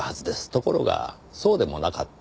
ところがそうでもなかった。